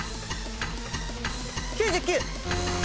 ９９。